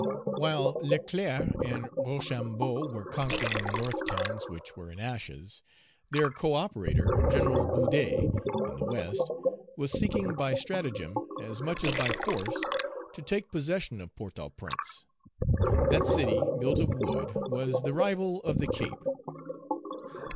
While Leclerc and Rochambeau were conquering in the North towns which were in ashes, their co operator, General Boudet, in the West, was seeking by stratagem as much as by force to take possession of Port au Prince. That city, built of wood, was the rival of the Cape.